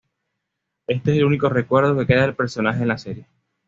Este es el único recuerdo que queda del personaje en la serie.